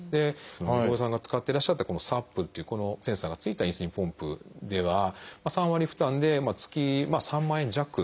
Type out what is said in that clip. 土井さんが使ってらっしゃったこのＳＡＰっていうセンサーがついたインスリンポンプでは３割負担で月３万円弱。